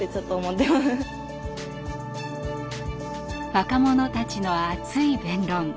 若者たちの熱い弁論。